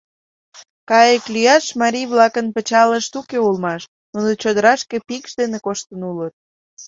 Кайык лӱяш марий-влакын пычалышт уке улмаш, нуно чодырашке пикш дене коштын улыт.